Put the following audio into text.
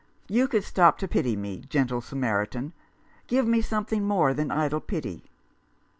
You could stop to pity me, gentle Samaritan. Give me something more than idle pity."